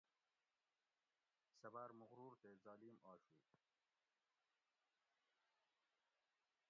سہ باٞر مُغرور تے ظالیم آشُو